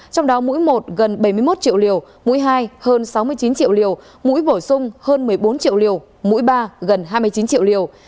trong đó mũi một gần bảy mươi một triệu liều mũi hai hơn sáu mươi chín triệu liều mũi bổ sung hơn một mươi bốn triệu liều mũi ba gần hai mươi chín triệu liều